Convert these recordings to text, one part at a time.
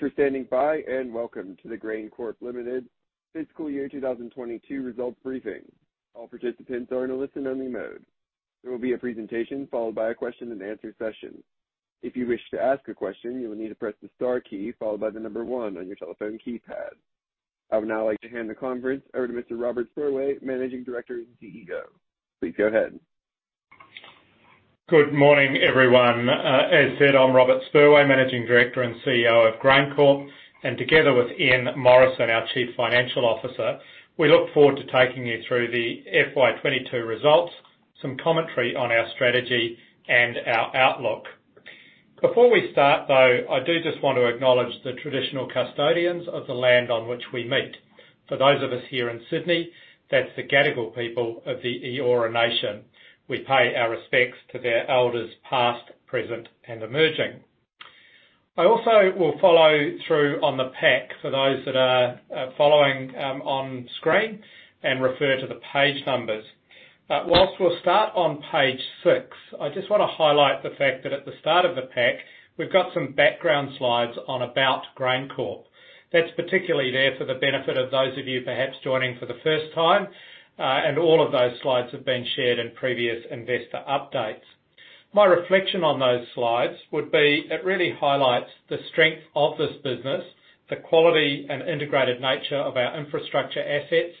Thank you for standing by, and welcome to the GrainCorp Limited fiscal year 2022 results briefing. All participants are in a listen only mode. There will be a presentation followed by a question and answer session. If you wish to ask a question, you will need to press the star key followed by the number one on your telephone keypad. I would now like to hand the conference over to Mr. Robert Spurway, Managing Director and CEO. Please go ahead. Good morning, everyone. As said, I'm Robert Spurway, Managing Director and CEO of GrainCorp, and together with Ian Morrison, our Chief Financial Officer, we look forward to taking you through the FY 2022 results, some commentary on our strategy and our outlook. Before we start, though, I do just want to acknowledge the traditional custodians of the land on which we meet. For those of us here in Sydney, that's the Gadigal people of the Eora Nation. We pay our respects to their elders, past, present, and emerging. I also will follow through on the pack for those that are following on screen and refer to the page numbers. While we'll start on page six, I just want to highlight the fact that at the start of the pack, we've got some background slides on About GrainCorp. That's particularly there for the benefit of those of you perhaps joining for the first time, and all of those slides have been shared in previous investor updates. My reflection on those slides would be it really highlights the strength of this business, the quality and integrated nature of our infrastructure assets,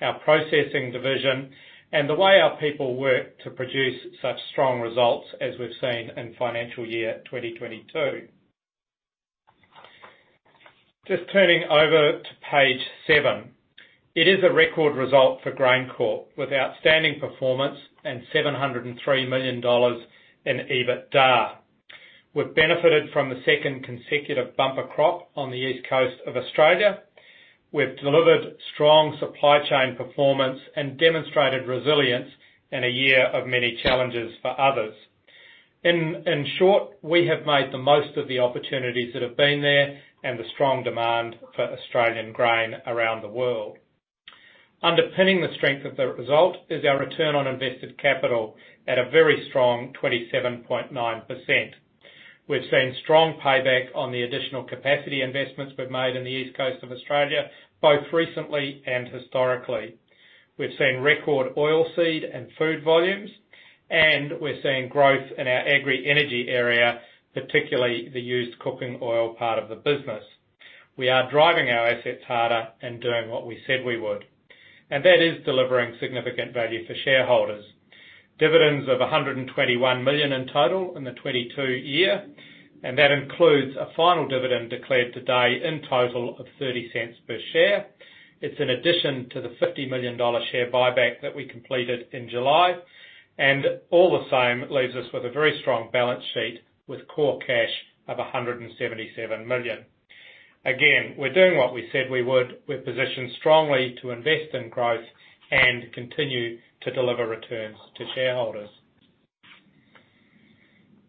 our processing division, and the way our people work to produce such strong results as we've seen in financial year 2022. Just turning over to page seven. It is a record result for GrainCorp, with outstanding performance and 703 million dollars in EBITDA. We've benefited from the second consecutive bumper crop on the east coast of Australia. We've delivered strong supply chain performance and demonstrated resilience in a year of many challenges for others. In short, we have made the most of the opportunities that have been there and the strong demand for Australian grain around the world. Underpinning the strength of the result is our return on invested capital at a very strong 27.9%. We've seen strong payback on the additional capacity investments we've made in the east coast of Australia, both recently and historically. We've seen record oilseed and food volumes, and we're seeing growth in our agri-energy area, particularly the used cooking oil part of the business. We are driving our assets harder and doing what we said we would. That is delivering significant value for shareholders. Dividends of 121 million in total in the 22 year, and that includes a final dividend declared today in total of 0.30 per share. It's an addition to the 50 million dollar share buyback that we completed in July, and all the same, leaves us with a very strong balance sheet with core cash of 177 million. Again, we're doing what we said we would. We're positioned strongly to invest in growth and continue to deliver returns to shareholders.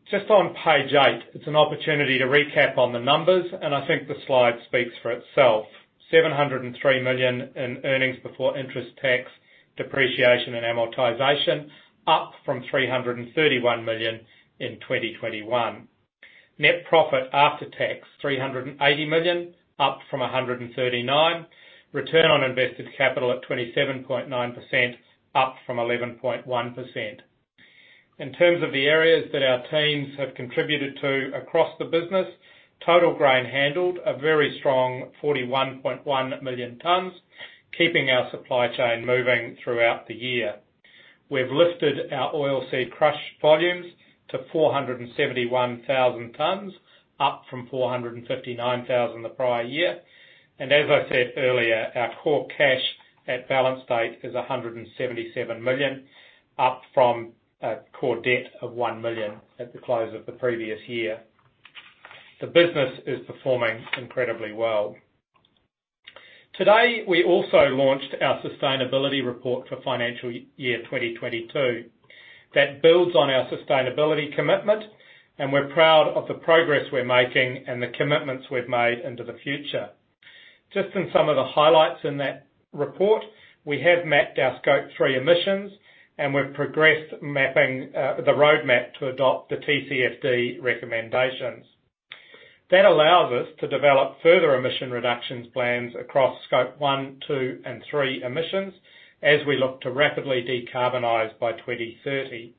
Just on page eight, it's an opportunity to recap on the numbers, and I think the slide speaks for itself. 703 million in earnings before interest, taxes, depreciation, and amortization, up from AUD 331 million in 2021. Net profit after tax, AUD 380 million, up from AUD 139 million. Return on invested capital at 27.9%, up from 11.1%. In terms of the areas that our teams have contributed to across the business, total grain handled a very strong 41.1 million tons, keeping our supply chain moving throughout the year. We've lifted our oilseed crush volumes to 471,000 tons, up from 459,000 the prior year. As I said earlier, our core cash at balance date is 177 million, up from a core debt of 1 million at the close of the previous year. The business is performing incredibly well. Today, we also launched our sustainability report for financial year 2022. That builds on our sustainability commitment, and we're proud of the progress we're making and the commitments we've made into the future. Just in some of the highlights in that report, we have mapped our Scope 3 emissions, and we've progressed mapping the roadmap to adopt the TCFD recommendations. That allows us to develop further emission reductions plans across Scope 1, 2 and 3 emissions as we look to rapidly decarbonize by 2030.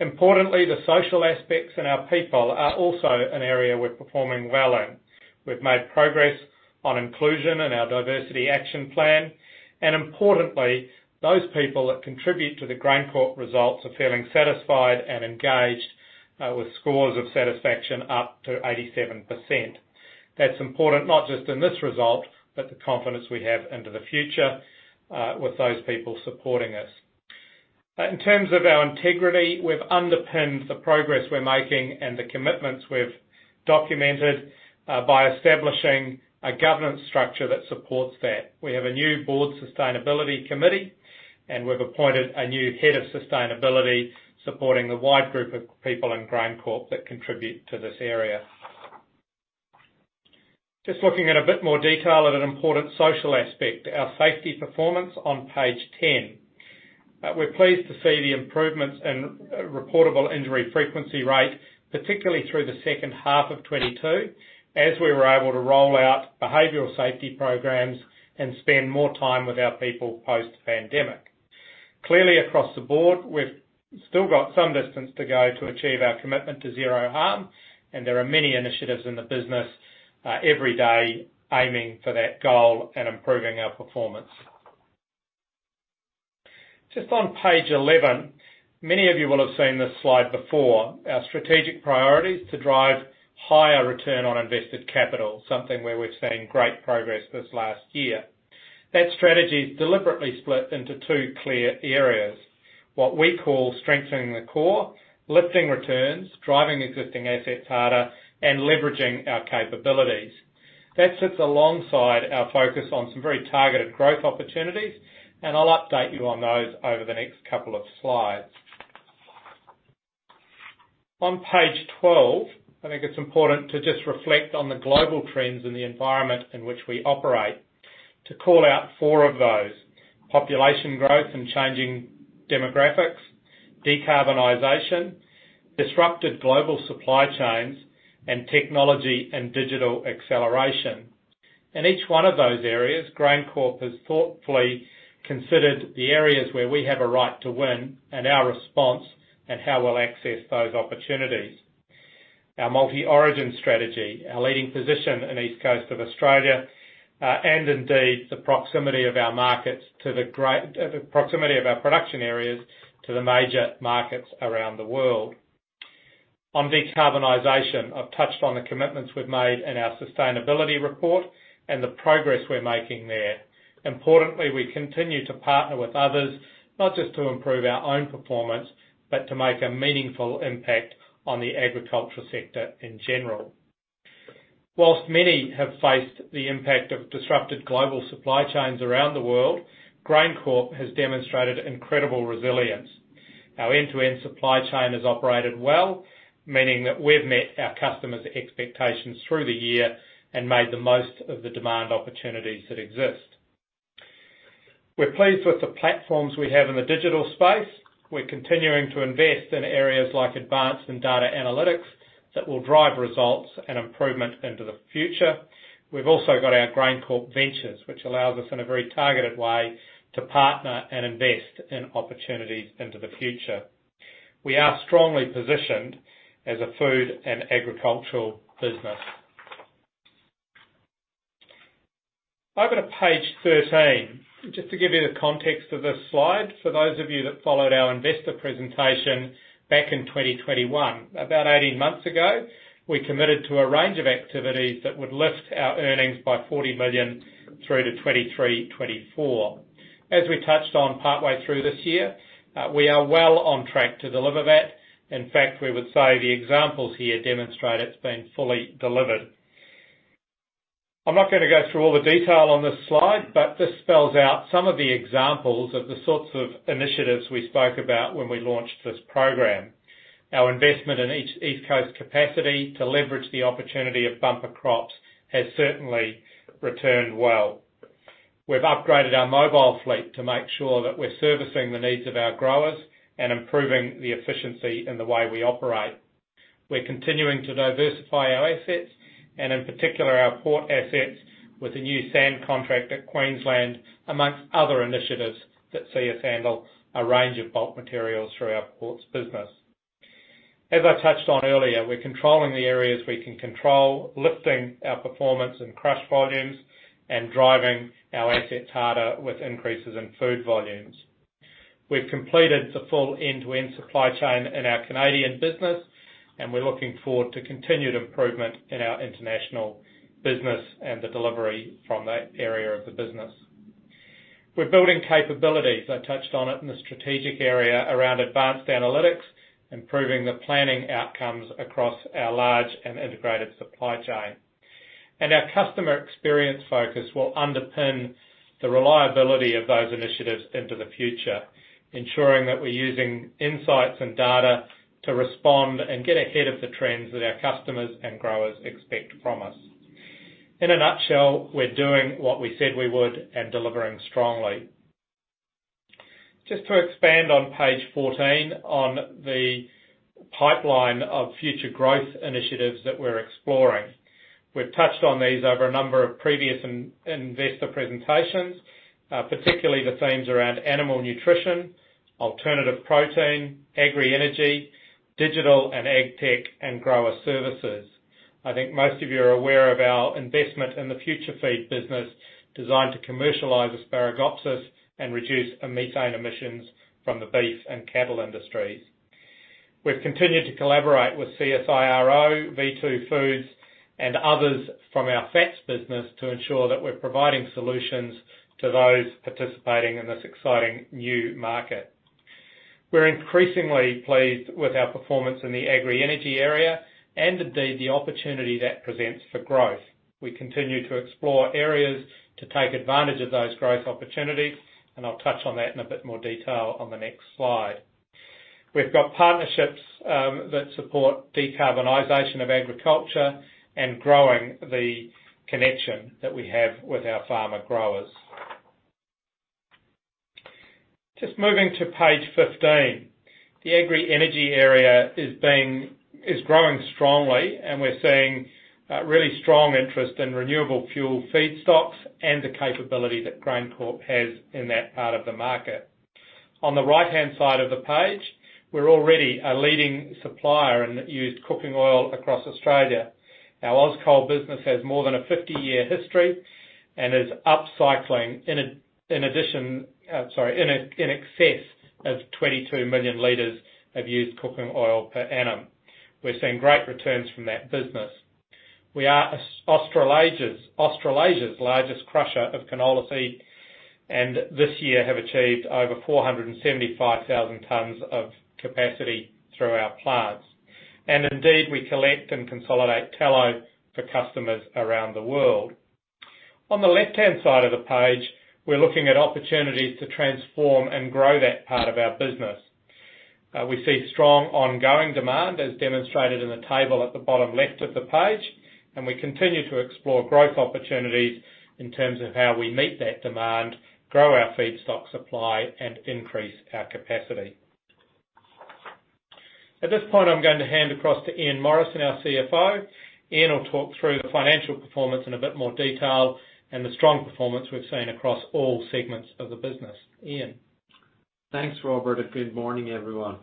Importantly, the social aspects in our people are also an area we're performing well in. We've made progress on inclusion in our diversity action plan. Importantly, those people that contribute to the GrainCorp results are feeling satisfied and engaged with scores of satisfaction up to 87%. That's important not just in this result, but the confidence we have into the future with those people supporting us. In terms of our integrity, we've underpinned the progress we're making and the commitments we've documented by establishing a governance structure that supports that. We have a new board sustainability committee, and we've appointed a new head of sustainability, supporting the wide group of people in GrainCorp that contribute to this area. Just looking at a bit more detail at an important social aspect, our safety performance on page ten. We're pleased to see the improvements in reportable injury frequency rate, particularly through the second half of 2022, as we were able to roll out behavioral safety programs and spend more time with our people post-pandemic. Clearly, across the board, we've still got some distance to go to achieve our commitment to zero harm, and there are many initiatives in the business every day aiming for that goal and improving our performance. Just on page eleven, many of you will have seen this slide before. Our strategic priority is to drive higher return on invested capital, something where we've seen great progress this last year. That strategy is deliberately split into two clear areas. What we call strengthening the core, lifting returns, driving existing assets harder, and leveraging our capabilities. That sits alongside our focus on some very targeted growth opportunities, and I'll update you on those over the next couple of slides. On page 12, I think it's important to just reflect on the global trends in the environment in which we operate. To call out four of those, population growth and changing demographics, decarbonization, disrupted global supply chains, and technology and digital acceleration. In each one of those areas, GrainCorp has thoughtfully considered the areas where we have a right to win and our response and how we'll access those opportunities. Our multi-origin strategy, our leading position in East Coast of Australia, and indeed, the proximity of our production areas to the major markets around the world. On decarbonization, I've touched on the commitments we've made in our sustainability report and the progress we're making there. Importantly, we continue to partner with others, not just to improve our own performance, but to make a meaningful impact on the agriculture sector in general. While many have faced the impact of disrupted global supply chains around the world, GrainCorp has demonstrated incredible resilience. Our end-to-end supply chain has operated well, meaning that we've met our customers' expectations through the year and made the most of the demand opportunities that exist. We're pleased with the platforms we have in the digital space. We're continuing to invest in areas like advanced and data analytics that will drive results and improvement into the future. We've also got our GrainCorp Ventures, which allows us, in a very targeted way, to partner and invest in opportunities into the future. We are strongly positioned as a food and agricultural business. Over to page 13. Just to give you the context of this slide, for those of you that followed our investor presentation back in 2021. About 18 months ago, we committed to a range of activities that would lift our earnings by 40 million through to 2023, 2024. As we touched on partway through this year, we are well on track to deliver that. In fact, we would say the examples here demonstrate it's been fully delivered. I'm not gonna go through all the detail on this slide, but this spells out some of the examples of the sorts of initiatives we spoke about when we launched this program. Our investment in each East Coast capacity to leverage the opportunity of bumper crops has certainly returned well. We've upgraded our mobile fleet to make sure that we're servicing the needs of our growers and improving the efficiency in the way we operate. We're continuing to diversify our assets, and in particular, our port assets with a new sand contract at Queensland, among other initiatives that see us handle a range of bulk materials through our ports business. As I touched on earlier, we're controlling the areas we can control, lifting our performance in crush volumes and driving our assets harder with increases in food volumes. We've completed the full end-to-end supply chain in our Canadian business, and we're looking forward to continued improvement in our international business and the delivery from that area of the business. We're building capabilities. I touched on it in the strategic area around advanced analytics, improving the planning outcomes across our large and integrated supply chain. Our customer experience focus will underpin the reliability of those initiatives into the future, ensuring that we're using insights and data to respond and get ahead of the trends that our customers and growers expect from us. In a nutshell, we're doing what we said we would and delivering strongly. Just to expand on page 14 on the pipeline of future growth initiatives that we're exploring. We've touched on these over a number of previous investor presentations, particularly the themes around animal nutrition, alternative protein, agri-energy, digital and ag tech, and grower services. I think most of you are aware of our investment in the FutureFeed business designed to commercialize Asparagopsis and reduce methane emissions from the beef and cattle industries. We've continued to collaborate with CSIRO, v2food, and others from our fats business to ensure that we're providing solutions to those participating in this exciting new market. We're increasingly pleased with our performance in the agri-energy area and indeed the opportunity that presents for growth. We continue to explore areas to take advantage of those growth opportunities, and I'll touch on that in a bit more detail on the next slide. We've got partnerships that support decarbonization of agriculture and growing the connection that we have with our farmer growers. Just moving to page 15. The agri-energy area is growing strongly, and we're seeing really strong interest in renewable fuel feedstocks and the capability that GrainCorp has in that part of the market. On the right-hand side of the page, we're already a leading supplier in used cooking oil across Australia. Our Auscol business has more than a 50-year history and is upcycling in excess of 22 million liters of used cooking oil per annum. We're seeing great returns from that business. We are Australasia's largest crusher of canola seed, and this year have achieved over 47,000 tons of capacity through our plants. Indeed, we collect and consolidate tallow for customers around the world. On the left-hand side of the page, we're looking at opportunities to transform and grow that part of our business. We see strong ongoing demand, as demonstrated in the table at the bottom left of the page, and we continue to explore growth opportunities in terms of how we meet that demand, grow our feedstock supply, and increase our capacity. At this point, I'm going to hand across to Ian Morrison, our CFO. Ian will talk through the financial performance in a bit more detail and the strong performance we've seen across all segments of the business. Ian. Thanks, Robert, and good morning, everyone.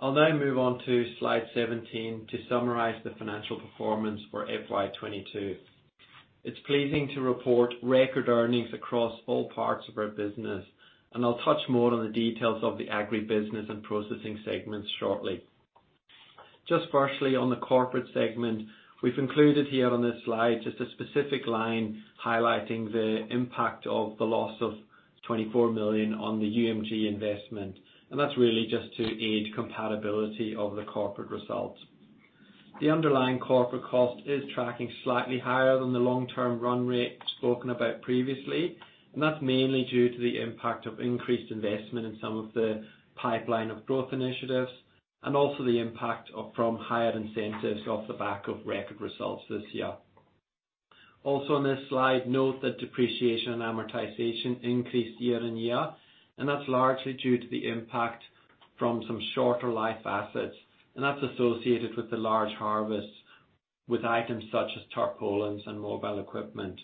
I'll now move on to slide 17 to summarize the financial performance for FY 2022. It's pleasing to report record earnings across all parts of our business, and I'll touch more on the details of the agri business and processing segments shortly. Just firstly, on the corporate segment, we've included here on this slide just a specific line highlighting the impact of the loss of 24 million on the UMG investment, and that's really just to aid compatibility of the corporate results. The underlying corporate cost is tracking slightly higher than the long-term run rate spoken about previously, and that's mainly due to the impact of increased investment in some of the pipeline of growth initiatives and also the impact from higher incentives off the back of record results this year. Also on this slide, note that depreciation and amortization increased year-on-year, and that's largely due to the impact from some shorter life assets, and that's associated with the large harvest with items such as tarpaulins and mobile equipment.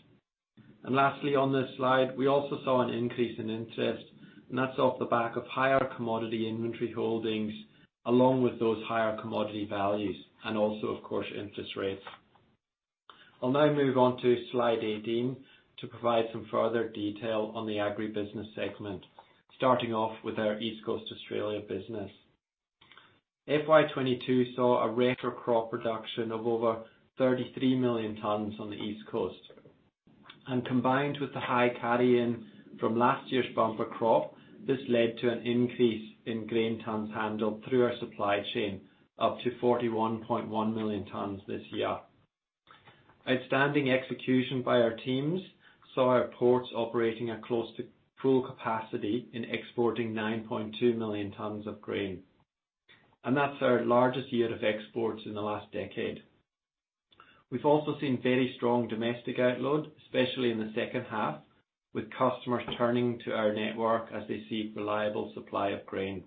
Lastly, on this slide, we also saw an increase in interest, and that's off the back of higher commodity inventory holdings along with those higher commodity values and also, of course, interest rates. I'll now move on to slide 18 to provide some further detail on the agri business segment, starting off with our East Coast Australia business. FY 2022 saw a record crop production of over 33 million tons on the East Coast. Combined with the high carry-in from last year's bumper crop, this led to an increase in grain tons handled through our supply chain up to 41.1 million tons this year. Outstanding execution by our teams saw our ports operating at close to full capacity in exporting 9.2 million tons of grain. That's our largest year of exports in the last decade. We've also seen very strong domestic outload, especially in the second half, with customers turning to our network as they seek reliable supply of grain.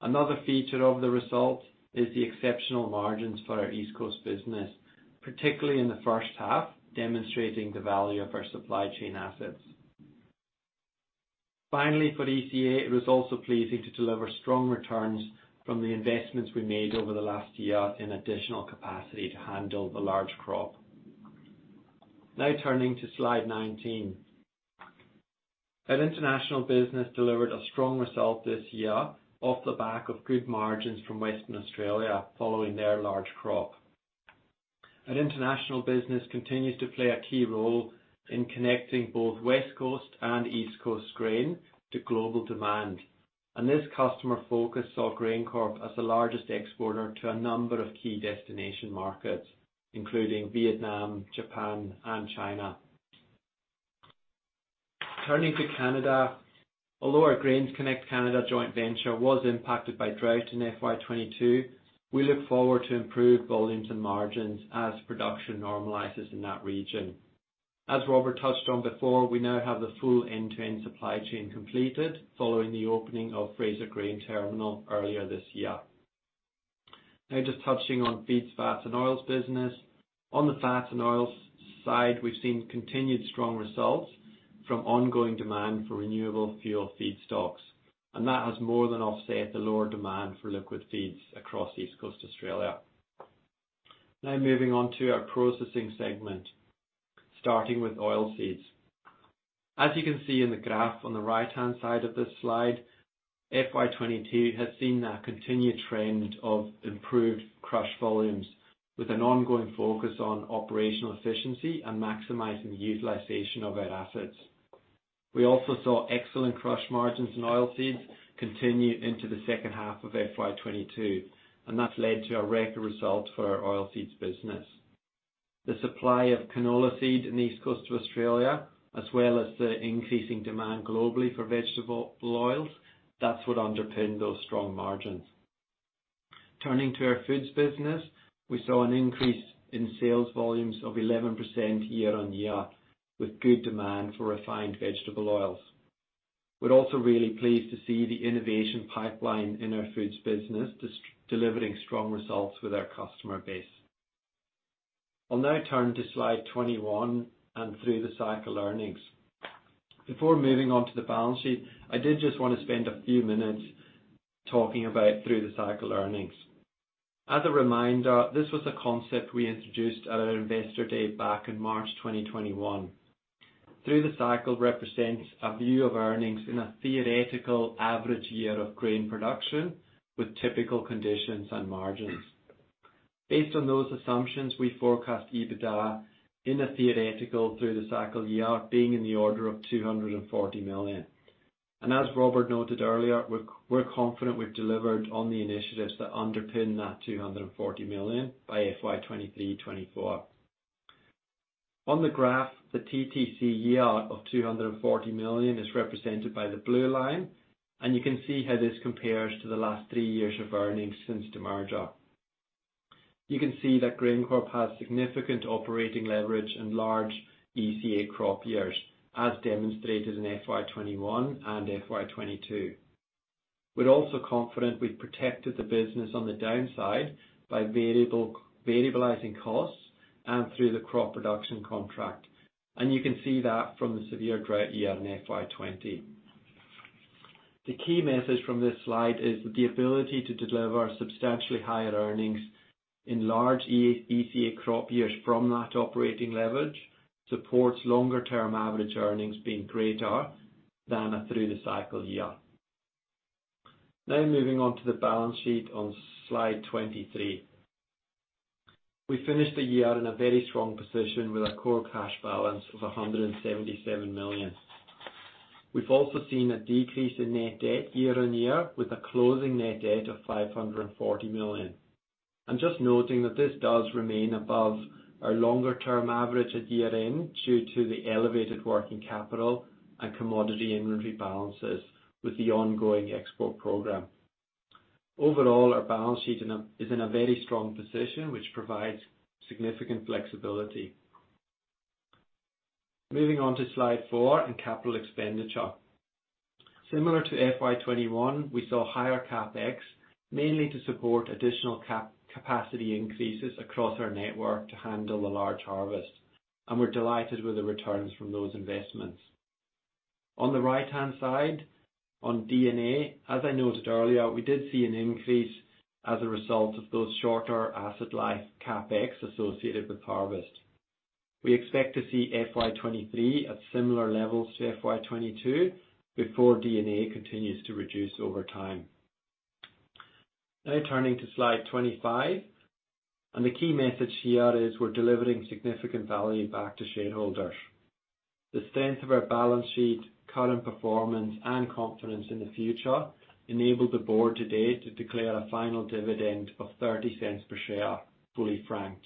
Another feature of the result is the exceptional margins for our East Coast business, particularly in the first half, demonstrating the value of our supply chain assets. Finally, for ECA, it was also pleasing to deliver strong returns from the investments we made over the last year in additional capacity to handle the large crop. Now turning to slide 19. Our international business delivered a strong result this year off the back of good margins from Western Australia following their large crop. Our international business continues to play a key role in connecting both West Coast and East Coast grain to global demand. This customer focus saw GrainCorp as the largest exporter to a number of key destination markets, including Vietnam, Japan, and China. Turning to Canada, although our GrainsConnect Canada joint venture was impacted by drought in FY 2022, we look forward to improved volumes and margins as production normalizes in that region. As Robert touched on before, we now have the full end-to-end supply chain completed following the opening of Fraser Grain Terminal earlier this year. Now just touching on feeds, fats, and oils business. On the fats and oils side, we've seen continued strong results from ongoing demand for renewable fuel feedstocks, and that has more than offset the lower demand for liquid feeds across East Coast Australia. Now moving on to our processing segment, starting with oilseeds. As you can see in the graph on the right-hand side of this slide, FY 2022 has seen a continued trend of improved crush volumes with an ongoing focus on operational efficiency and maximizing the utilization of our assets. We also saw excellent crush margins in oilseeds continue into the second half of FY 2022, and that's led to a record result for our oilseeds business. The supply of canola seed in the East Coast of Australia, as well as the increasing demand globally for vegetable oils, that's what underpinned those strong margins. Turning to our foods business, we saw an increase in sales volumes of 11% year-on-year, with good demand for refined vegetable oils. We're also really pleased to see the innovation pipeline in our foods business delivering strong results with our customer base. I'll now turn to slide 21 and through the cycle earnings. Before moving on to the balance sheet, I did just wanna spend a few minutes talking about through the cycle earnings. As a reminder, this was a concept we introduced at our Investor Day back in March 2021. Through the cycle represents a view of earnings in a theoretical average year of grain production, with typical conditions and margins. Based on those assumptions, we forecast EBITDA in a theoretical through the cycle year being in the order of 240 million. As Robert noted earlier, we're confident we've delivered on the initiatives that underpin that 240 million by FY 2023/2024. On the graph, the TTC year of 240 million is represented by the blue line, and you can see how this compares to the last three years of earnings since demerger. You can see that GrainCorp has significant operating leverage in large ECA crop years, as demonstrated in FY 2021 and FY 2022. We're also confident we've protected the business on the downside by variabilizing costs and through the crop production contract. You can see that from the severe drought year in FY 2020. The key message from this slide is the ability to deliver substantially higher earnings in large ECA crop years from that operating leverage supports longer term average earnings being greater than a through the cycle year. Now moving on to the balance sheet on slide 23. We finished the year in a very strong position with a core cash balance of 177 million. We've also seen a decrease in net debt year-on-year, with a closing net debt of 540 million. I'm just noting that this does remain above our longer term average at year-end due to the elevated working capital and commodity inventory balances with the ongoing export program. Overall, our balance sheet is in a very strong position which provides significant flexibility. Moving on to slide four and capital expenditure. Similar to FY 2021, we saw higher CapEx, mainly to support additional capacity increases across our network to handle the large harvest, and we're delighted with the returns from those investments. On the right-hand side, on D&A, as I noted earlier, we did see an increase as a result of those shorter asset life CapEx associated with harvest. We expect to see FY 2023 at similar levels to FY 2022 before D&A continues to reduce over time. Now turning to slide 25, the key message here is we're delivering significant value back to shareholders. The strength of our balance sheet, current performance, and confidence in the future enabled the board today to declare a final dividend of 0.30 per share, fully franked.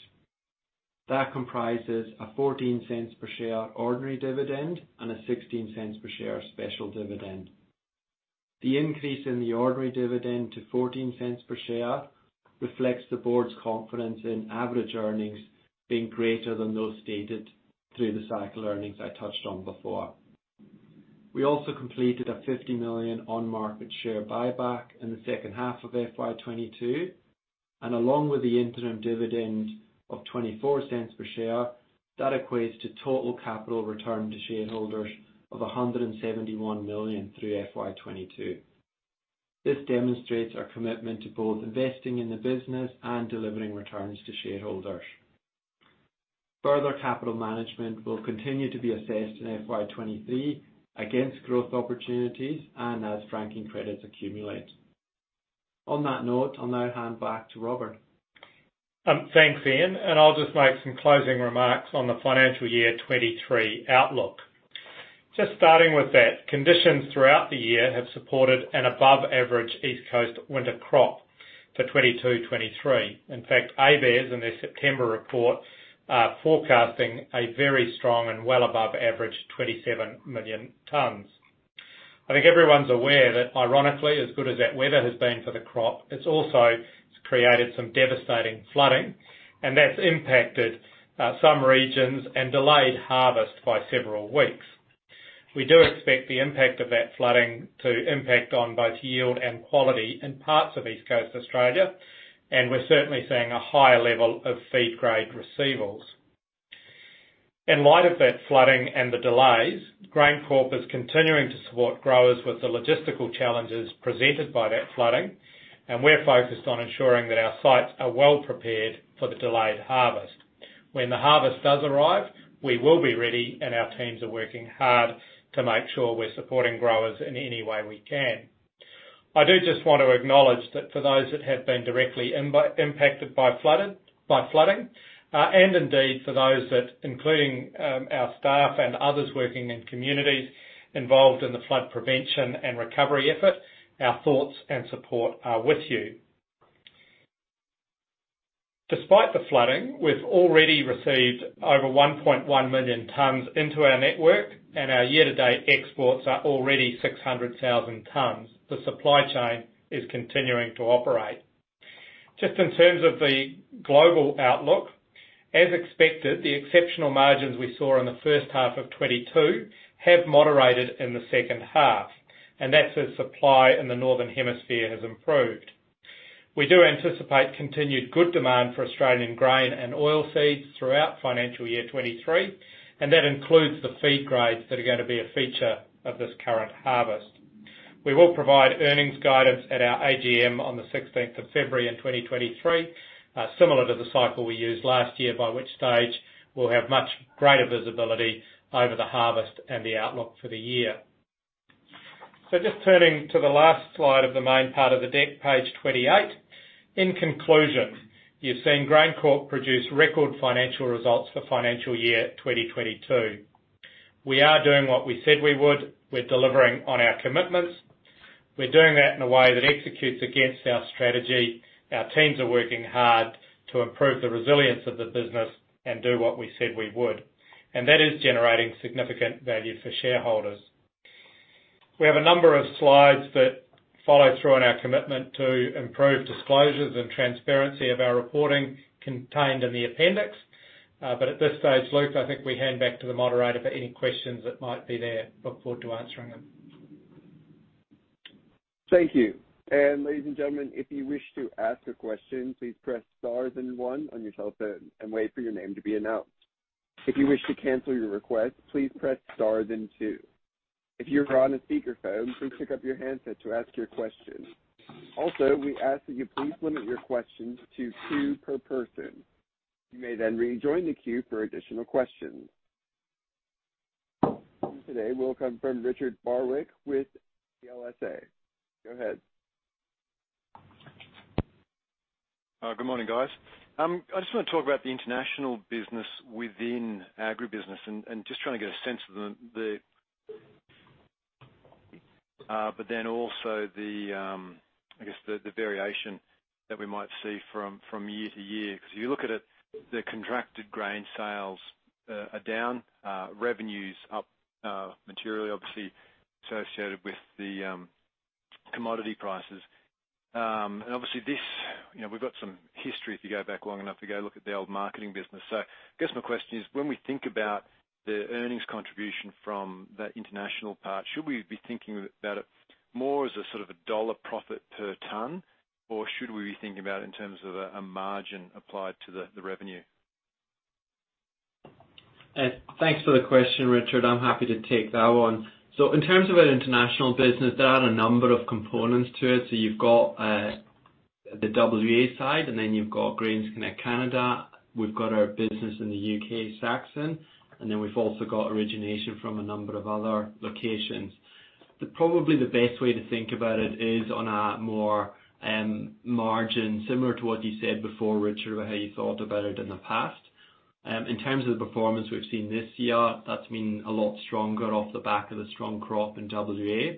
That comprises a 0.14 per share ordinary dividend and a 0.16 per share special dividend. The increase in the ordinary dividend to 0.14 per share reflects the board's confidence in average earnings being greater than those stated through the cycle earnings I touched on before. We completed a 50 million on-market share buyback in the second half of FY 2022, and along with the interim dividend of 0.24 per share, that equates to total capital return to shareholders of 171 million through FY 2022. This demonstrates our commitment to both investing in the business and delivering returns to shareholders. Further capital management will continue to be assessed in FY 2023 against growth opportunities and as franking credits accumulate. On that note, I'll now hand back to Robert. Thanks, Ian, and I'll just make some closing remarks on the financial year 2023 outlook. Just starting with that, conditions throughout the year have supported an above average East Coast winter crop for 2022/2023. In fact, ABARES, in their September report, are forecasting a very strong and well above average 27 million tons. I think everyone's aware that ironically, as good as that weather has been for the crop, it's also created some devastating flooding, and that's impacted some regions and delayed harvest by several weeks. We do expect the impact of that flooding to impact on both yield and quality in parts of East Coast Australia, and we're certainly seeing a higher level of feed grade receivables. In light of that flooding and the delays, GrainCorp is continuing to support growers with the logistical challenges presented by that flooding, and we're focused on ensuring that our sites are well prepared for the delayed harvest. When the harvest does arrive, we will be ready and our teams are working hard to make sure we're supporting growers in any way we can. I do just want to acknowledge that for those that have been directly impacted by flooding, and indeed for those, including our staff and others working in communities involved in the flood prevention and recovery effort, our thoughts and support are with you. Despite the flooding, we've already received over 1.1 million tons into our network, and our year-to-date exports are already 600,000 tons. The supply chain is continuing to operate. Just in terms of the global outlook, as expected, the exceptional margins we saw in the first half of 2022 have moderated in the second half, and that's as supply in the northern hemisphere has improved. We do anticipate continued good demand for Australian grain and oilseeds throughout financial year 2023, and that includes the feed grades that are gonna be a feature of this current harvest. We will provide earnings guidance at our AGM on the 16th of February in 2023, similar to the cycle we used last year, by which stage we'll have much greater visibility over the harvest and the outlook for the year. Just turning to the last slide of the main part of the deck, page 28. In conclusion, you've seen GrainCorp produce record financial results for financial year 2022. We are doing what we said we would. We're delivering on our commitments. We're doing that in a way that executes against our strategy. Our teams are working hard to improve the resilience of the business and do what we said we would. That is generating significant value for shareholders. We have a number of slides that follow through on our commitment to improve disclosures and transparency of our reporting contained in the appendix. But at this stage, Luke, I think we hand back to the moderator for any questions that might be there. Look forward to answering them. Thank you. Ladies and gentlemen, if you wish to ask a question, please press star then one on your telephone and wait for your name to be announced. If you wish to cancel your request, please press star then two. If you're on a speakerphone, please pick up your handset to ask your question. Also, we ask that you please limit your questions to two per person. You may then rejoin the queue for additional questions. Today, we'll come from Richard Barwick with the CLSA. Go ahead. Good morning, guys. I just wanna talk about the international business within agribusiness and just trying to get a sense of the variation that we might see from year to year. 'Cause you look at it, the contracted grain sales are down, revenues up materially, obviously associated with the commodity prices. Obviously this, you know, we've got some history if you go back long enough to go look at the old marketing business. I guess my question is, when we think about the earnings contribution from that international part, should we be thinking about it more as a sort of a dollar profit per ton, or should we be thinking about it in terms of a margin applied to the revenue? Thanks for the question, Richard. I'm happy to take that one. In terms of our international business, there are a number of components to it. You've got the WA side, and then you've got GrainsConnect Canada. We've got our business in the U.K., Saxon, and then we've also got origination from a number of other locations. Probably the best way to think about it is on a more margin, similar to what you said before, Richard, about how you thought about it in the past. In terms of the performance we've seen this year, that's been a lot stronger off the back of the strong crop in WA.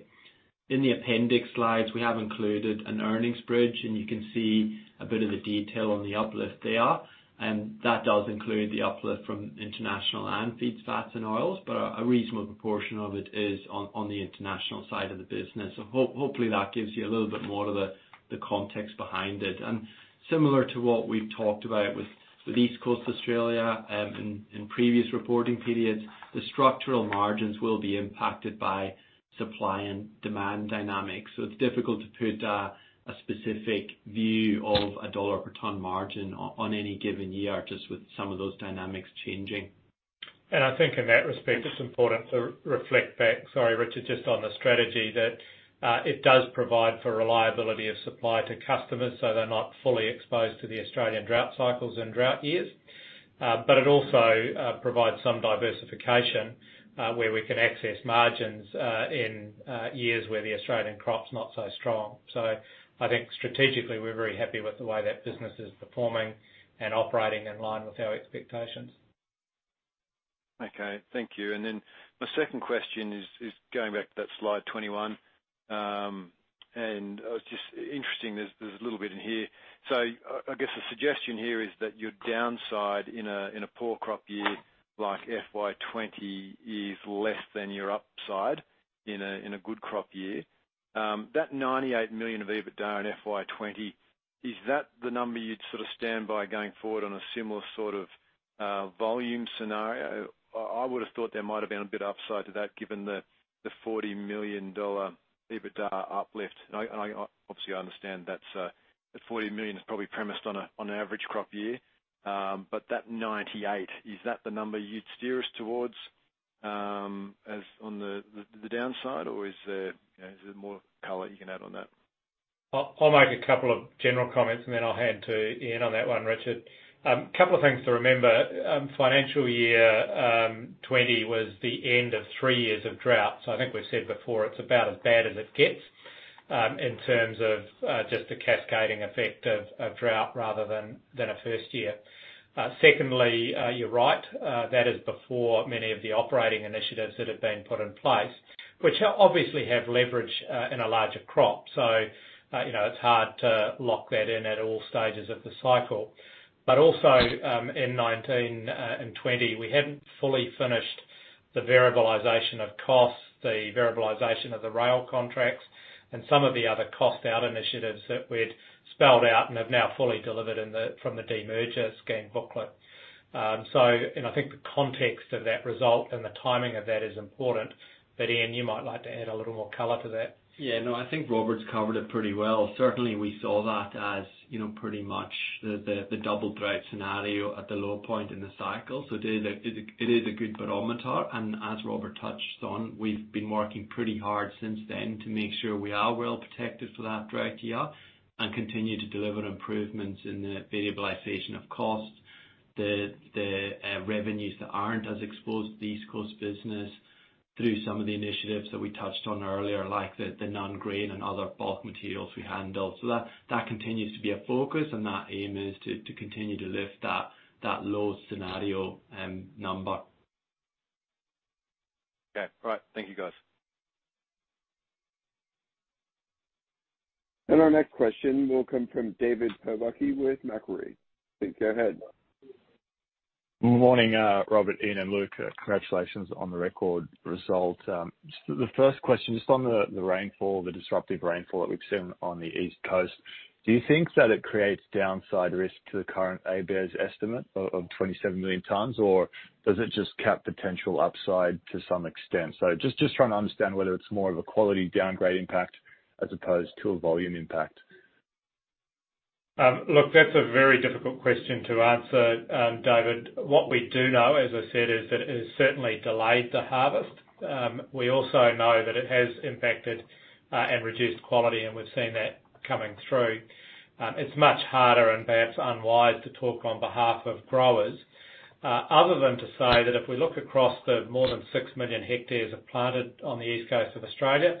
In the appendix slides, we have included an earnings bridge, and you can see a bit of the detail on the uplift there. That does include the uplift from international and feeds, fats, and oils, but a reasonable proportion of it is on the international side of the business. Hopefully that gives you a little bit more of the context behind it. Similar to what we've talked about with East Coast Australia, in previous reporting periods, the structural margins will be impacted by supply and demand dynamics. It's difficult to put a specific view of a dollar per ton margin on any given year, just with some of those dynamics changing. I think in that respect, it's important to reflect back, sorry, Richard, just on the strategy that it does provide for reliability of supply to customers, so they're not fully exposed to the Australian drought cycles and drought years. But it also provides some diversification, where we can access margins, in years where the Australian crop's not so strong. So I think strategically, we're very happy with the way that business is performing and operating in line with our expectations. Okay. Thank you. My second question is going back to that slide 21. Just interesting, there's a little bit in here. I guess the suggestion here is that your downside in a poor crop year like FY 2020 is less than your upside in a good crop year. That 98 million of EBITDA in FY 2020, is that the number you'd sort of stand by going forward on a similar sort of volume scenario? I would've thought there might have been a bit of upside to that given the 40 million dollar EBITDA uplift. And obviously, I understand that's the 40 million is probably premised on an average crop year. That 98 million, is that the number you'd steer us towards as in the downside, or is there, you know, is there more color you can add on that? I'll make a couple of general comments, and then I'll hand to Ian on that one, Richard. Couple of things to remember. Financial year 2020 was the end of three years of drought. I think we've said before, it's about as bad as it gets, in terms of just the cascading effect of drought rather than a first year. Secondly, you're right. That is before many of the operating initiatives that have been put in place, which obviously have leverage in a larger crop. You know, it's hard to lock that in at all stages of the cycle. But, also, in 2019 and 2020, we hadn't fully finished the variabilization of costs, the variabilization of the rail contracts, and some of the other cost-out initiatives that we'd spelled out and have now fully delivered from the demerger scheme booklet. So, you know, I think the context of that result and the timing of that is important. Ian, you might like to add a little more color to that. Yeah, no, I think Robert's covered it pretty well. Certainly, we saw that as, you know, pretty much the double drought scenario at the low point in the cycle. It is a good barometer. As Robert touched on, we've been working pretty hard since then to make sure we are well protected for that drought year and continue to deliver improvements in the variabilization of costs. The revenues that aren't as exposed to the East Coast business through some of the initiatives that we touched on earlier, like the non-grain and other bulk materials we handle. That continues to be a focus, and that aim is to continue to lift that low scenario number. Okay. All right. Thank you, guys. Our next question will come from David Pobucky with Macquarie. Please go ahead. Good morning, Robert, Ian, and Luke. Congratulations on the record result. The first question is on the rainfall, the disruptive rainfall that we've seen on the East Coast. Do you think that it creates downside risk to the current ABARES's estimate of 27 million tons, or does it just cap potential upside to some extent? Just trying to understand whether it's more of a quality downgrade impact as opposed to a volume impact. Look, that's a very difficult question to answer, David. What we do know, as I said, is that it has certainly delayed the harvest. We also know that it has impacted, and reduced quality, and we've seen that coming through. It's much harder and perhaps unwise to talk on behalf of growers, other than to say that if we look across the more than 6 million hectares planted on the East Coast of Australia,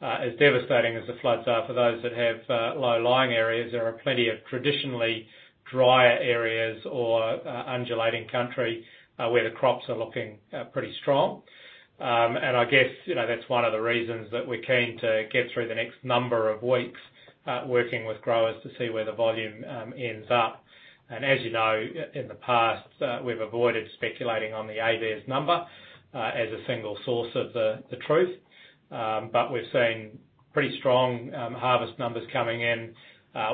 as devastating as the floods are for those that have, low-lying areas, there are plenty of traditionally drier areas or, undulating country, where the crops are looking, pretty strong. I guess, you know, that's one of the reasons that we're keen to get through the next number of weeks, working with growers to see where the volume, ends up. As you know, in the past, we've avoided speculating on the ABARES's number as a single source of the truth. We've seen pretty strong harvest numbers coming in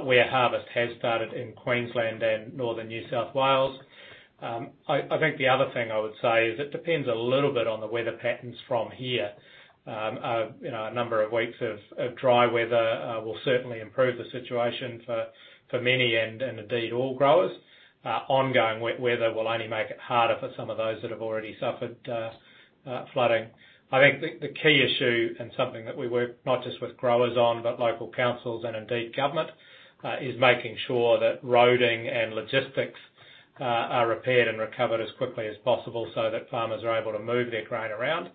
where harvest has started in Queensland and Northern New South Wales. I think the other thing I would say is it depends a little bit on the weather patterns from here. You know, a number of weeks of dry weather will certainly improve the situation for many and indeed all growers. Ongoing weather will only make it harder for some of those that have already suffered flooding. I think the key issue and something that we work not just with growers on, but local councils and indeed government, is making sure that roading and logistics are repaired and recovered as quickly as possible so that farmers are able to move their grain around,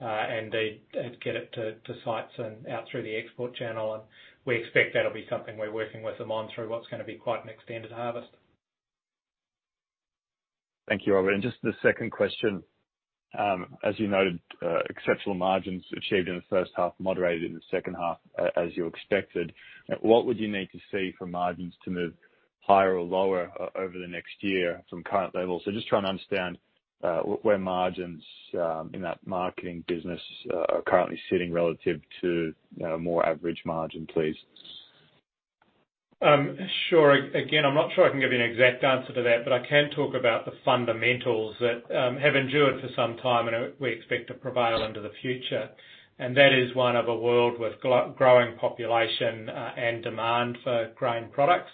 and indeed, get it to sites and out through the export channel. We expect that'll be something we're working with them on through what's gonna be quite an extended harvest. Thank you, Robert. Just the second question. As you noted, exceptional margins achieved in the first half, moderated in the second half, as you expected. What would you need to see for margins to move higher or lower over the next year from current levels? Just trying to understand, where margins in that marketing business are currently sitting relative to, you know, more average margin, please. Sure. Again, I'm not sure I can give you an exact answer to that, but I can talk about the fundamentals that have endured for some time and we expect to prevail into the future. That is one of a world with growing population and demand for grain products.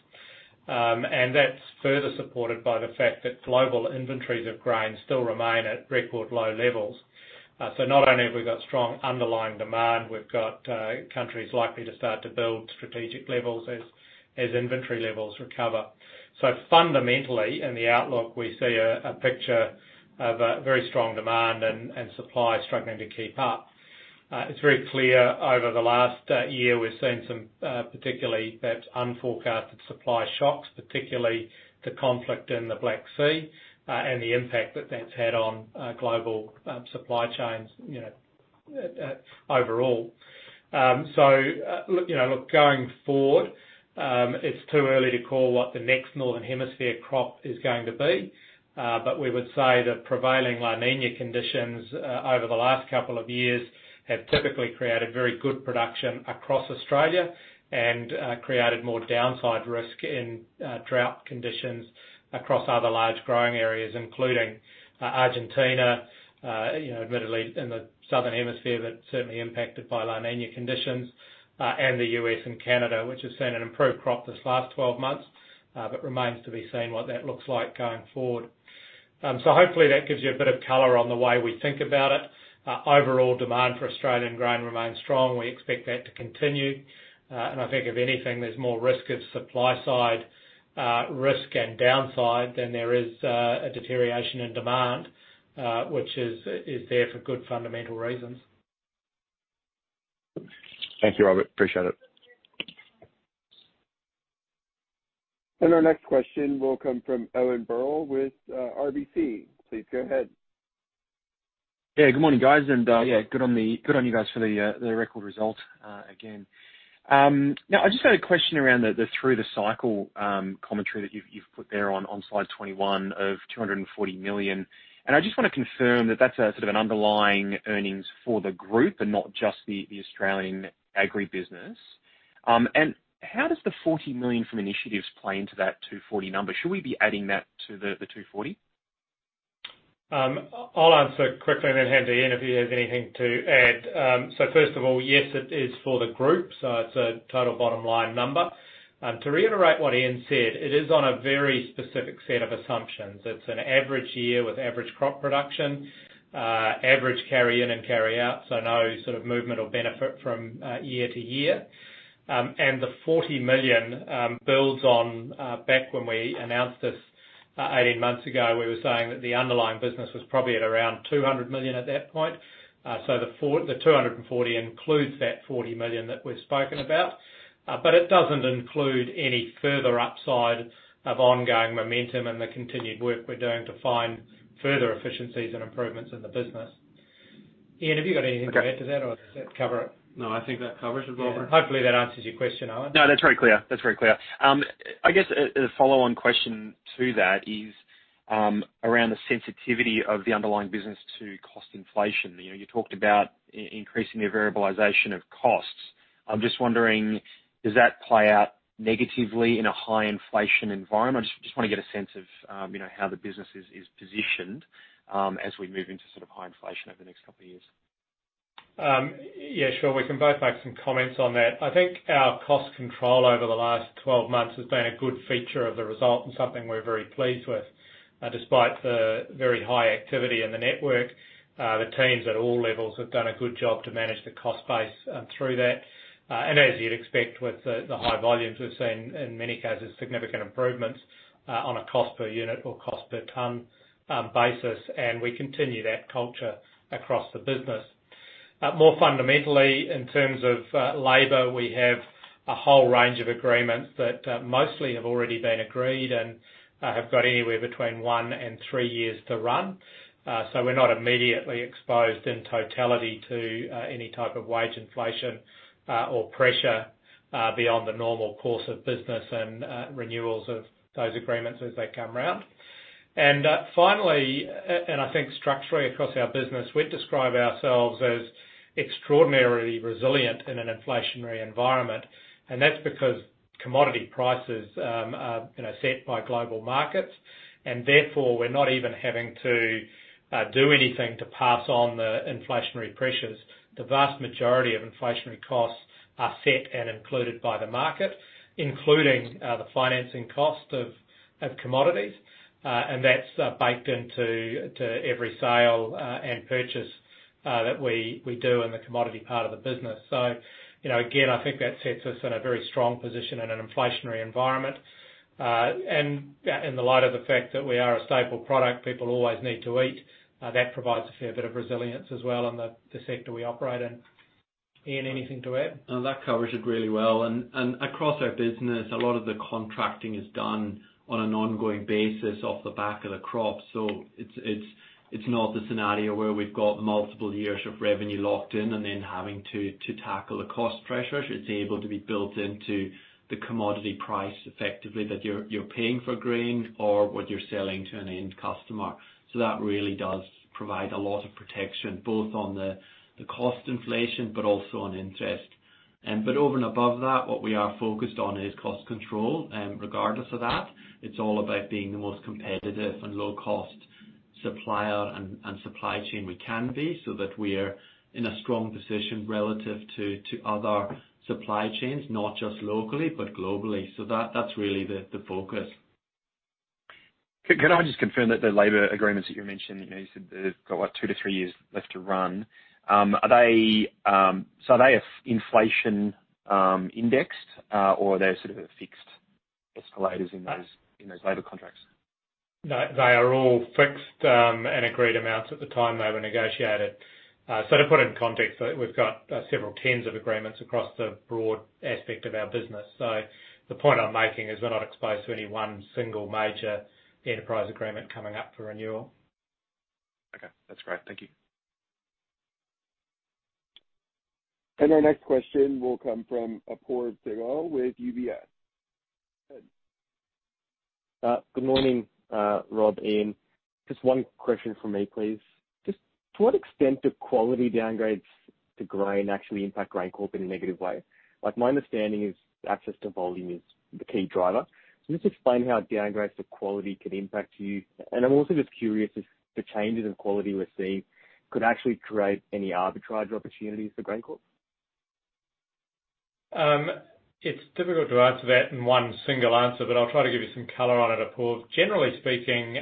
That's further supported by the fact that global inventories of grain still remain at record low levels. Not only have we got strong underlying demand, we've got countries likely to start to build strategic levels as inventory levels recover. Fundamentally, in the outlook, we see a picture of a very strong demand and supply struggling to keep up. It's very clear over the last year, we've seen some particularly perhaps unforecasted supply shocks, particularly the conflict in the Black Sea, and the impact that that's had on global supply chains, you know, overall. You know, look, going forward, it's too early to call what the next Northern Hemisphere crop is going to be. But we would say that prevailing La Niña conditions over the last couple of years have typically created very good production across Australia and created more downside risk in drought conditions across other large growing areas, including Argentina, you know, admittedly in the Southern Hemisphere, but certainly impacted by La Niña conditions and the U.S. and Canada, which has seen an improved crop this last 12 months but remains to be seen what that looks like going forward. Hopefully that gives you a bit of color on the way we think about it. Overall demand for Australian grain remains strong. We expect that to continue. I think if anything, there's more risk of supply side risk and downside than there is a deterioration in demand, which is there for good fundamental reasons. Thank you, Robert. Appreciate it. Our next question will come from Owen Birrell with RBC. Please go ahead. Yeah, good morning, guys. Yeah, good on you guys for the record result again. Now, I just had a question around the through the cycle commentary that you've put there on slide 21 of 240 million. I just wanna confirm that that's a sort of an underlying earnings for the group and not just the Australian agribusiness. How does the 40 million from initiatives play into that 240 million number? Should we be adding that to the 240 million? I'll answer quickly and then hand to Ian if he has anything to add. First of all, yes, it is for the group, so it's a total bottom line number. To reiterate what Ian said, it is on a very specific set of assumptions. It's an average year with average crop production, average carry in and carry out, so no sort of movement or benefit from year to year. The 40 million builds on back when we announced this 18 months ago, we were saying that the underlying business was probably at around 200 million at that point. The 240 million includes that 40 million that we've spoken about, but it doesn't include any further upside of ongoing momentum and the continued work we're doing to find further efficiencies and improvements in the business. Ian, have you got anything to add to that or does that cover it? No, I think that covers it well. Yeah. Hopefully, that answers your question, Owen. No, that's very clear. I guess a follow-on question to that is around the sensitivity of the underlying business to cost inflation. You know, you talked about increasing the variabilization of costs. I'm just wondering, does that play out negatively in a high inflation environment? I just wanna get a sense of, you know, how the business is positioned as we move into sort of high inflation over the next couple of years. Yeah, sure. We can both make some comments on that. I think our cost control over the last 12 months has been a good feature of the result and something we're very pleased with. Despite the very high activity in the network, the teams at all levels have done a good job to manage the cost base through that. As you'd expect with the high volumes, we've seen in many cases significant improvements on a cost per unit or cost per ton basis, and we continue that culture across the business. More fundamentally, in terms of labor, we have a whole range of agreements that mostly have already been agreed and have got anywhere between one and three years to run. We're not immediately exposed in totality to any type of wage inflation or pressure beyond the normal course of business and renewals of those agreements as they come around. Finally, I think structurally across our business, we'd describe ourselves as extraordinarily resilient in an inflationary environment, and that's because commodity prices, you know, are set by global markets, and therefore we're not even having to do anything to pass on the inflationary pressures. The vast majority of inflationary costs are set and included by the market, including the financing cost of commodities, and that's baked into every sale and purchase that we do in the commodity part of the business. You know, again, I think that sets us in a very strong position in an inflationary environment. In the light of the fact that we are a staple product, people always need to eat, that provides a fair bit of resilience as well in the sector we operate in. Ian, anything to add? No, that covers it really well. Across our business, a lot of the contracting is done on an ongoing basis off the back of the crop. It's not the scenario where we've got multiple years of revenue locked in and then having to tackle the cost pressures. It's able to be built into the commodity price effectively that you're paying for grain or what you're selling to an end customer. That really does provide a lot of protection, both on the cost inflation, but also on interest. Over and above that, what we are focused on is cost control, regardless of that. It's all about being the most competitive and low cost supplier and supply chain we can be so that we're in a strong position relative to other supply chains, not just locally, but globally. So, that's really the focus. Can I just confirm that the labor agreements that you mentioned, you know, you said they've got what, two to three years left to run. Are they inflation indexed, or are there sort of fixed escalators in those labor contracts? No, they are all fixed, and agreed amounts at the time they were negotiated. To put it in context, we've got several tens of agreements across the broad aspect of our business. The point I'm making is we're not exposed to any one single major enterprise agreement coming up for renewal. Okay, that's great. Thank you. Our next question will come from Apoorv Sehgal with UBS. Good morning, Rob, Ian. Just one question from me, please. Just to what extent do quality downgrades to grain actually impact GrainCorp in a negative way? Like, my understanding is access to volume is the key driver. Just explain how downgrades to quality can impact you. I'm also just curious if the changes in quality we're seeing could actually create any arbitrage opportunities for GrainCorp. It's difficult to answer that in one single answer, but I'll try to give you some color on it, Apoorv. Generally speaking,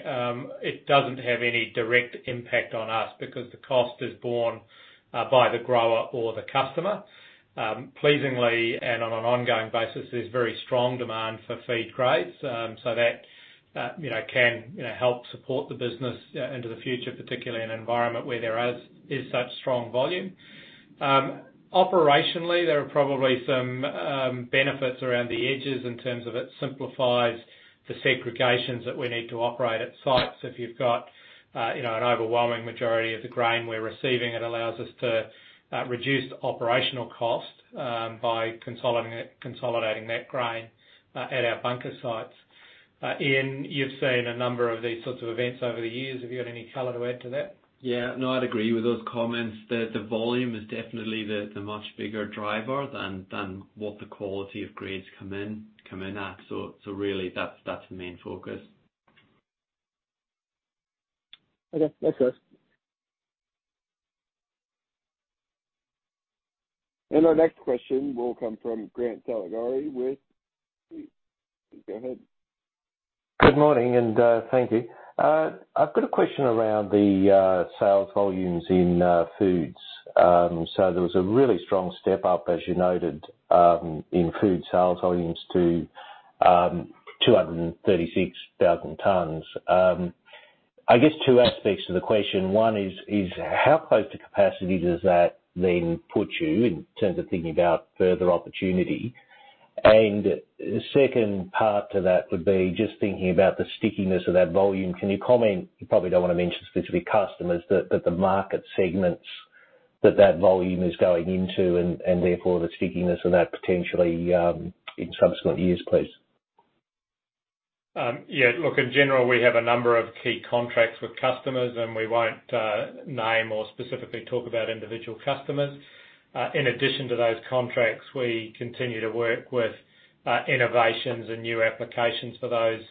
it doesn't have any direct impact on us because the cost is borne by the grower or the customer. Pleasingly, and on an ongoing basis, there's very strong demand for feed grades. So that, you know, can, you know, help support the business into the future, particularly in an environment where there is such strong volume. Operationally, there are probably some benefits around the edges in terms of it simplifies the segregations that we need to operate at sites. If you've got, you know, an overwhelming majority of the grain we're receiving, it allows us to reduce the operational cost by consolidating that grain at our bunker sites. Ian, you've seen a number of these sorts of events over the years. Have you got any color to add to that? Yeah. No, I'd agree with those comments. The volume is definitely the much bigger driver than what the quality of grades come in at. Really that's the main focus. Okay. Thanks guys. Our next question will come from Grant Saligari with Credit Suisse. Go ahead. Good morning, and thank you. I've got a question around the sales volumes in foods. There was a really strong step up, as you noted, in food sales volumes to 236,000 tons. I guess two aspects to the question. One is how close to capacity does that then put you in terms of thinking about further opportunity? The second part to that would be just thinking about the stickiness of that volume. Can you comment, you probably don't wanna mention specific customers, but the market segments that that volume is going into and therefore the stickiness of that potentially, in subsequent years, please? Yeah. Look, in general, we have a number of key contracts with customers, and we won't name or specifically talk about individual customers. In addition to those contracts, we continue to work with innovations and new applications for those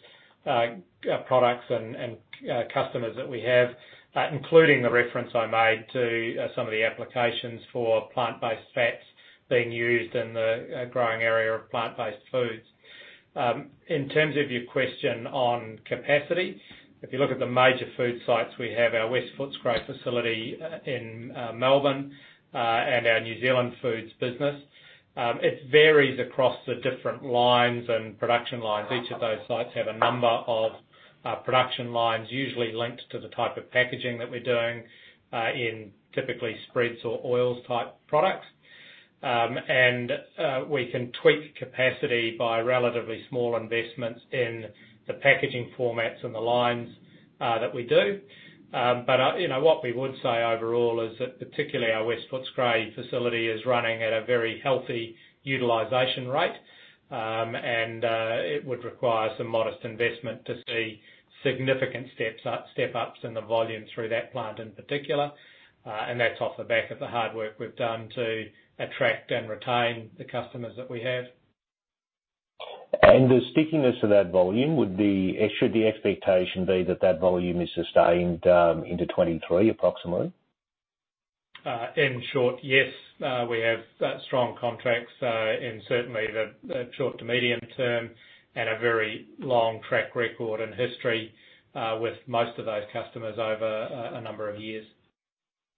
products and customers that we have, including the reference I made to some of the applications for plant-based fats being used in the growing area of plant-based foods. In terms of your question on capacity, if you look at the major food sites, we have our West Footscray facility in Melbourne and our New Zealand foods business. It varies across the different lines and production lines. Each of those sites have a number of production lines, usually linked to the type of packaging that we're doing in typically spreads or oils type products. We can tweak capacity by relatively small investments in the packaging formats and the lines that we do. You know, what we would say overall is that particularly our West Footscray facility is running at a very healthy utilization rate. It would require some modest investment to see significant step ups in the volume through that plant in particular. That's off the back of the hard work we've done to attract and retain the customers that we have. And speaking about that volume, should the expectation be that that volume is sustained into 2023 approximately? In short, yes. We have strong contracts in certainly the short to medium term and a very long track record and history with most of those customers over a number of years.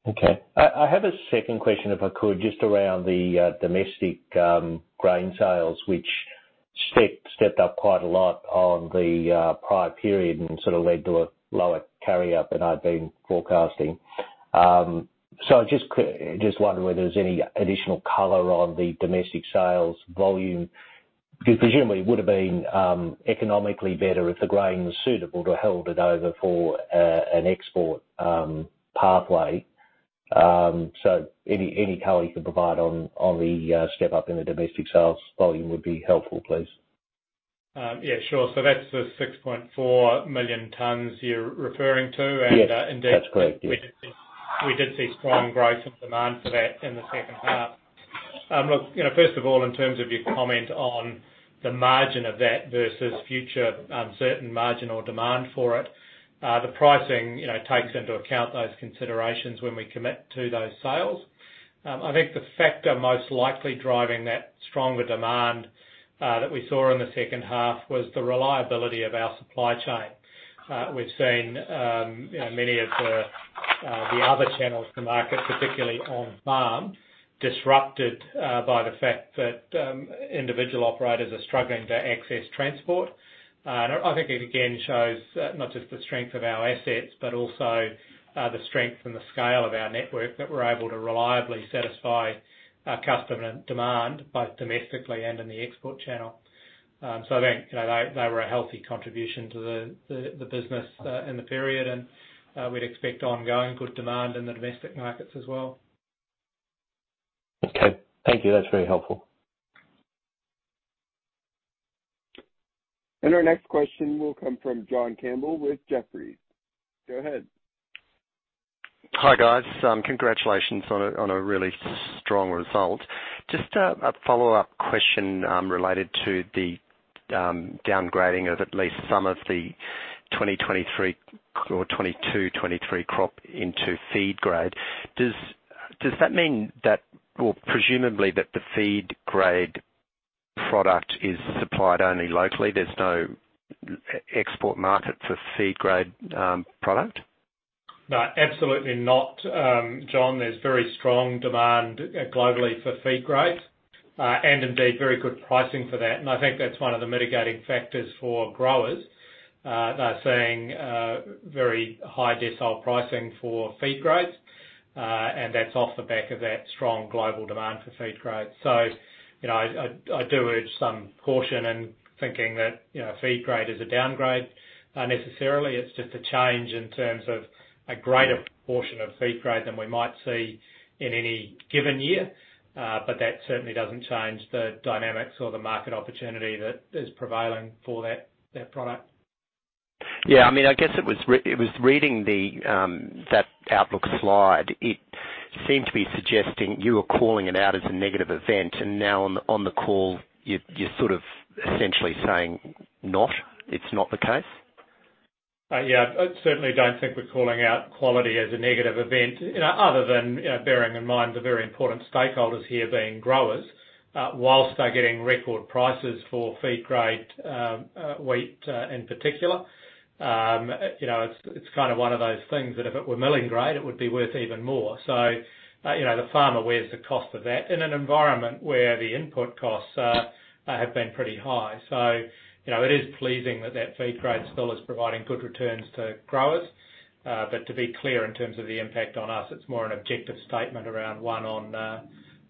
Okay. I have a second question, if I could, just around the domestic grain sales, which stepped up quite a lot on the prior period and sort of led to a lower carry-up than I'd been forecasting. Just wondering whether there's any additional color on the domestic sales volume, because presumably it would have been economically better if the grain was suitable to hold it over for an export pathway. Any color you can provide on the step up in the domestic sales volume would be helpful, please. Yeah, sure. That's the 6.4 million tons you're referring to. Yes. And indeed- That's correct. Yes. We did see strong growth in demand for that in the second half. Look, you know, first of all, in terms of your comment on the margin of that versus future uncertain margin or demand for it, the pricing, you know, takes into account those considerations when we commit to those sales. I think the factor most likely driving that stronger demand that we saw in the second half was the reliability of our supply chain. We've seen, you know, many of the other channels to market, particularly on farm, disrupted by the fact that individual operators are struggling to access transport. I think it again shows, not just the strength of our assets, but also the strength and the scale of our network, that we're able to reliably satisfy our customer demand, both domestically and in the export channel. I think, you know, they were a healthy contribution to the business in the period, and we'd expect ongoing good demand in the domestic markets as well. Okay. Thank you. That's very helpful. Our next question will come from John Campbell with Jefferies. Go ahead. Hi, guys. Congratulations on a really strong result. Just a follow-up question related to the downgrading of at least some of the 2023 or 2022/2023 crop into feed grade. Does that mean that, well, presumably that the feed grade product is supplied only locally? There's no export market for feed grade product? No, absolutely not, John. There's very strong demand globally for feed grade. Indeed very good pricing for that. I think that's one of the mitigating factors for growers. They're seeing very high decile pricing for feed grades, and that's off the back of that strong global demand for feed grades. You know, I do urge some caution in thinking that, you know, feed grade is a downgrade necessarily. It's just a change in terms of a greater portion of feed grade than we might see in any given year. But that certainly doesn't change the dynamics or the market opportunity that is prevailing for that product. Yeah, I mean, I guess it was reading the that outlook slide. It seemed to be suggesting you were calling it out as a negative event, and now on the call, you're sort of essentially saying not, it's not the case. Yeah. I certainly don't think we're calling out quality as a negative event, you know, other than, you know, bearing in mind the very important stakeholders here being growers, while they're getting record prices for feed grade wheat, in particular. You know, it's kinda one of those things that if it were milling grade, it would be worth even more. You know, the farmer weighs the cost of that in an environment where the input costs have been pretty high. You know, it is pleasing that feed grade still is providing good returns to growers. To be clear, in terms of the impact on us, it's more an objective statement around, you know,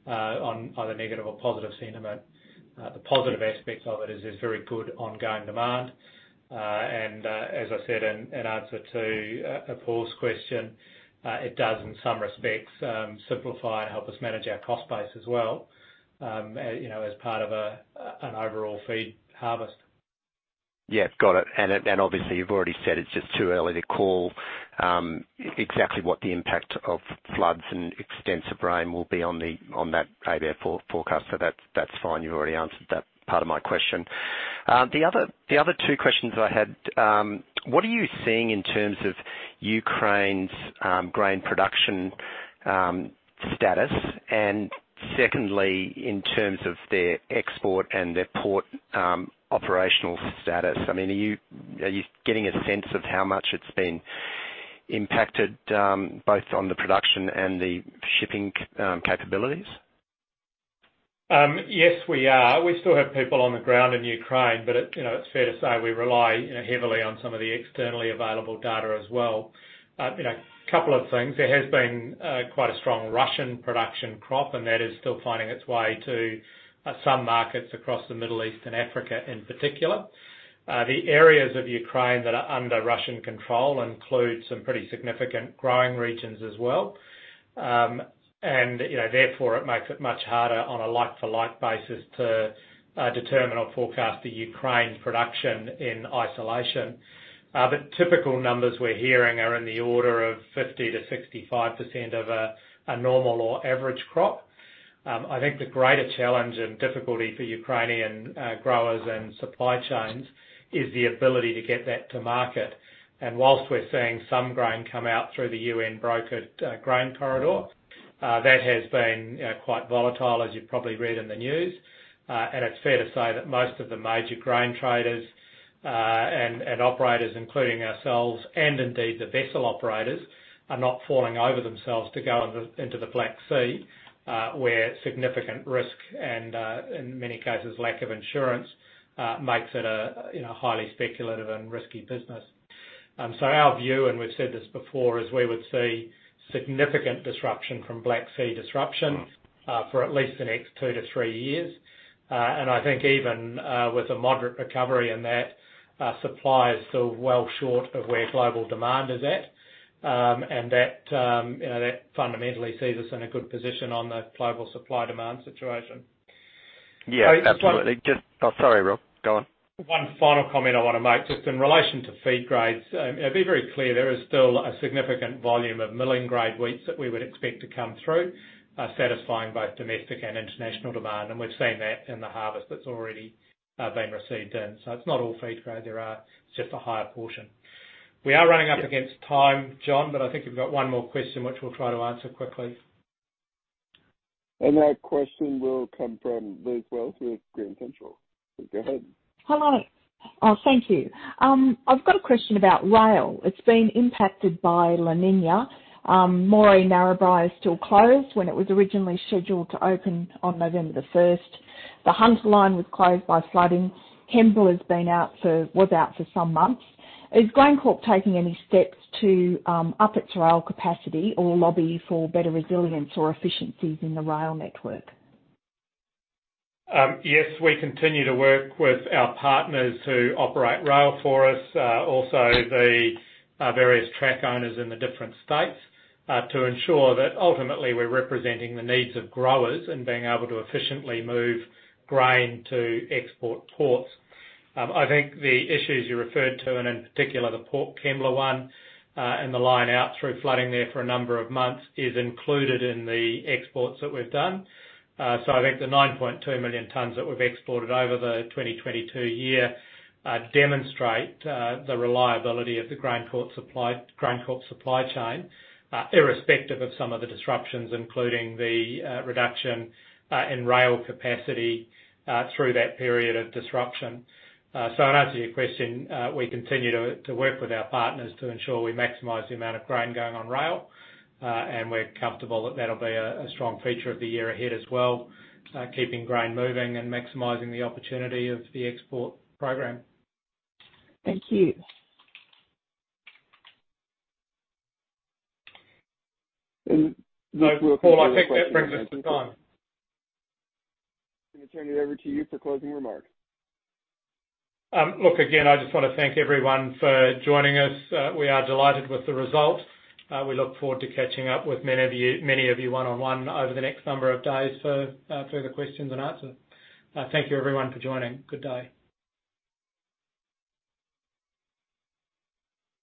on either negative or positive sentiment. The positive aspect of it is there's very good ongoing demand. As I said in answer to Paul's question, it does in some respects simplify and help us manage our cost base as well, you know, as part of an overall feed harvest. Yes, got it. Obviously you've already said it's just too early to call exactly what the impact of floods and extensive rain will be on that ABARES forecast. So that's fine. You've already answered that part of my question. The other two questions I had, what are you seeing in terms of Ukraine's grain production status? And secondly, in terms of their export and their port operational status, I mean, are you getting a sense of how much it's been impacted both on the production and the shipping capabilities? Yes, we are. We still have people on the ground in Ukraine, but it, you know, it's fair to say we rely heavily on some of the externally available data as well. You know, couple of things. There has been quite a strong Russian production crop, and that is still finding its way to some markets across the Middle East and Africa in particular. The areas of Ukraine that are under Russian control include some pretty significant growing regions as well. You know, therefore, it makes it much harder on a like-for-like basis to determine or forecast the Ukraine production in isolation. Typical numbers we're hearing are in the order of 50%-65% of a normal or average crop. I think the greater challenge and difficulty for Ukrainian growers and supply chains is the ability to get that to market. While we're seeing some grain come out through the UN-brokered grain corridor, that has been quite volatile, as you've probably read in the news. It's fair to say that most of the major grain traders and operators, including ourselves and indeed the vessel operators, are not falling over themselves to go into the Black Sea, where significant risk and in many cases lack of insurance makes it a, you know, highly speculative and risky business. Our view, and we've said this before, is we would see significant disruption from Black Sea disruption for at least the next two to three years. I think even with a moderate recovery in that, supply is still well short of where global demand is at. that you know, that fundamentally sees us in a good position on the global supply-demand situation. Yeah, absolutely. Just one- Oh, sorry, Rob. Go on. One final comment I wanna make, just in relation to feed grades. Be very clear, there is still a significant volume of milling grade wheats that we would expect to come through, satisfying both domestic and international demand, and we've seen that in the harvest that's already been received in. It's not all feed grade there are, it's just a higher portion. We are running up against time, John, but I think you've got one more question which we'll try to answer quickly. That question will come from Liz Wells with Grain Central. Go ahead. Hello. Oh, thank you. I've got a question about rail. It's been impacted by La Niña. Moree-Narrabri is still closed when it was originally scheduled to open on November the first. The Hunter line was closed by flooding. Kembla was out for some months. Is GrainCorp taking any steps to up its rail capacity or lobby for better resilience or efficiencies in the rail network? Yes, we continue to work with our partners who operate rail for us, also the various track owners in the different states, to ensure that ultimately we're representing the needs of growers in being able to efficiently move grain to export ports. I think the issues you referred to, and in particular the Port Kembla one, and the line out through flooding there for a number of months is included in the exports that we've done. I think the 9.2 million tons that we've exported over the 2022 year demonstrate the reliability of the GrainCorp supply chain, irrespective of some of the disruptions, including the reduction in rail capacity through that period of disruption. In answer to your question, we continue to work with our partners to ensure we maximize the amount of grain going on rail, and we're comfortable that that'll be a strong feature of the year ahead as well, keeping grain moving and maximizing the opportunity of the export program. Thank you. Paul, I think that brings us to time. Gonna turn it over to you for closing remarks. Look, again, I just wanna thank everyone for joining us. We are delighted with the results. We look forward to catching up with many of you one-on-one over the next number of days for further questions and answers. Thank you, everyone, for joining. Good day.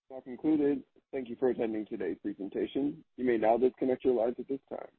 Call concluded. Thank you for attending today's presentation. You may now disconnect your lines at this time.